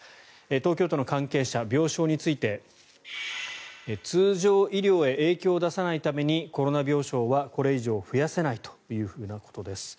東京都の関係者、病床について通常医療へ影響を出さないためにコロナ病床はこれ以上増やせないということです。